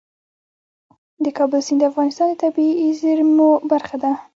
د کابل سیند د افغانستان د طبیعي زیرمو برخه ده.